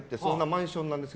マンションです。